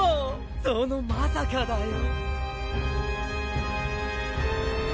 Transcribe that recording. そのまさかだよ